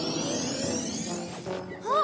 あっ！